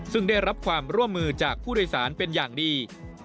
ซึ่งได้รับความร่วมมือจากผู้โดยสารเป็นอย่างดี